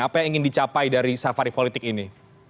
apa yang ingin dicapai dari safari politik ini